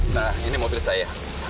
nah ini mobil saya